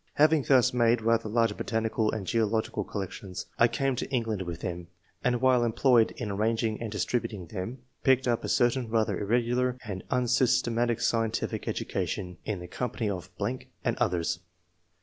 Having thus made rather large botanical and geological collections, I came to England with them, and while em ployed in arranging and distributing them, picked up a certain rather irregular and un III.] ORIGIN OF TASTE FOR SCIENCE. 155 systematic scientific education, in the company of ..., and others.